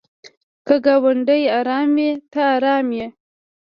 که ګاونډی ارام وي ته ارام یې.